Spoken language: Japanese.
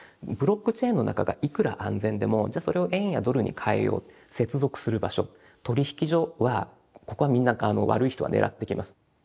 ブロックチェーンの中がいくら安全でもじゃあそれを円やドルに換えよう接続する場所取引所はここはみんな悪い人は狙ってきます。